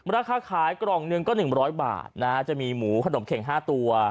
ราคาขายกล่องหนึ่งก็๑๐๐บาทจะมีหมูขนมเข็ง๕ตัว